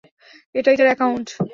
এটাই তার একাউন্ট।